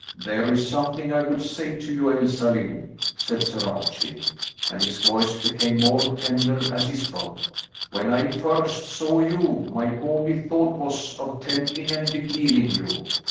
"There is something I would say to you, Elsalill," said Sir Archie, and his voice became more tender as he spoke. "When first I saw you, my only thought was of tempting and beguiling you.